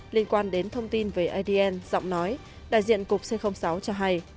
liên quan đến thông tin về adn giọng nói đại diện cục c sáu cho hay